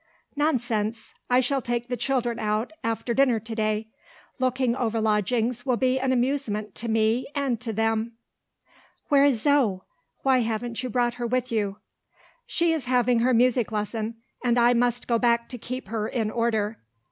"Nonsense! I shall take the children out, after dinner to day. Looking over lodgings will be an amusement to me and to them." "Where is Zo? Why haven't you brought her with you?" "She is having her music lesson and I must go back to keep her in order.